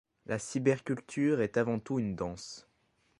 La cyberculture est avant tout une danse.